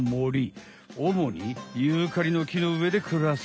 おもにユーカリの木の上でくらす。